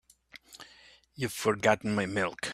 You've forgotten my milk.